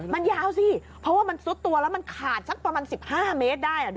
มันยาวสิเพราะว่ามันซุดตัวแล้วมันขาดสักประมาณ๑๕เมตรได้